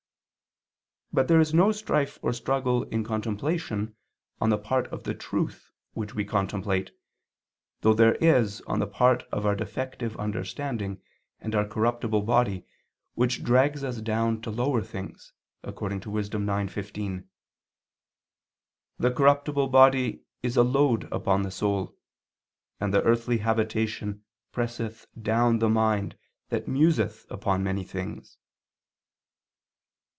But there is no strife or struggle in contemplation on the part of the truth which we contemplate, though there is on the part of our defective understanding and our corruptible body which drags us down to lower things, according to Wis. 9:15, "The corruptible body is a load upon the soul, and the earthly habitation presseth down the mind that museth upon many things."